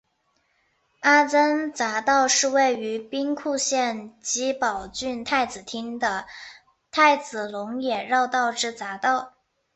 阿曾匝道是位于兵库县揖保郡太子町的太子龙野绕道之匝道。